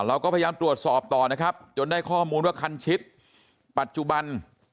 เราก็พยายามตรวจสอบต่อนะครับจนได้ข้อมูลว่าคันชิดปัจจุบัน